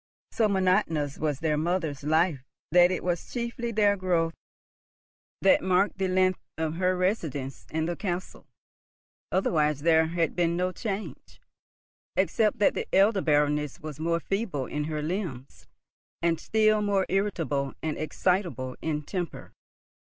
So monotonous was their mother's life that it was chiefly their growth that marked the length of her residence in the castle. Otherwise there had been no change, except that the elder Baroness was more feeble in her limbs, and still more irritable and excitable in temper.